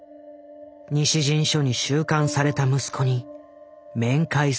西陣署に収監された息子に面会するためだ。